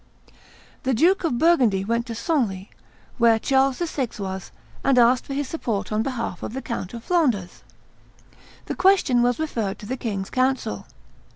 The Duke of Burgundy went to Senlis, where Charles VI. was, and asked for his support on behalf of the Count of Flanders. The question was referred to the king's council.